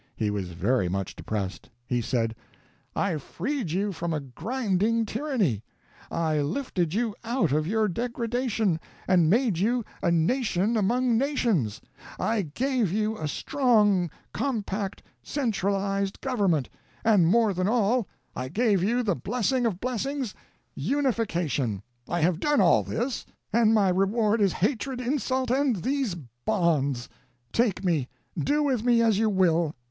He was very much depressed. He said: "I freed you from a grinding tyranny; I lifted you up out of your degradation, and made you a nation among nations; I gave you a strong, compact, centralized government; and, more than all, I gave you the blessing of blessings unification. I have done all this, and my reward is hatred, insult, and these bonds. Take me; do with me as you will.